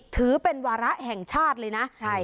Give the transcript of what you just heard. ถือเป็นวาระแห่งชาติเลยนะ